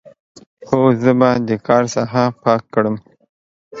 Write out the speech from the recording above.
هو، زه به د کار ساحه پاک کړم.